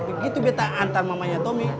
begitu saya hantar mamahnya tommy